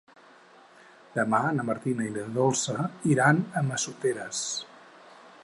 Demà na Martina i na Dolça iran a Massoteres.